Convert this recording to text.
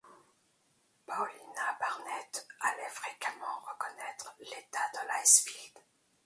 Paulina Barnett allaient fréquemment reconnaître l’état de l’icefield.